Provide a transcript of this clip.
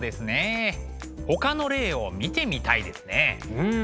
うん。